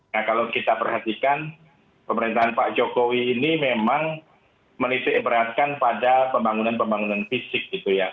nah kalau kita perhatikan pemerintahan pak jokowi ini memang menisip beratkan pada pembangunan pembangunan bidangnya